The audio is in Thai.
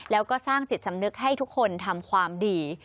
แล้วก็สร้างจิตสำนึกให้ทุกคนทำความดี